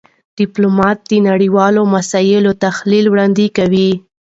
ډيپلومات د نړېوالو مسایلو تحلیل وړاندې کوي.